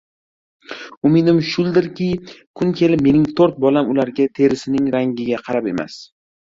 Umidim shuldirki, kun kelib mening to‘rt bolam ularga terisining rangiga qarab emas